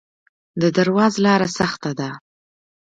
د درواز لاره سخته ده